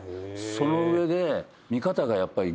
その上で。